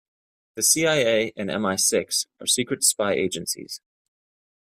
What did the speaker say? The CIA and MI-Six are secret spy agencies.